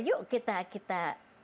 yuk kita kita